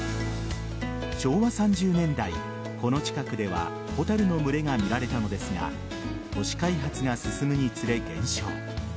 昭和３０年代、この近くではホタルの群れが見られたのですが都市開発が進むにつれ、減少。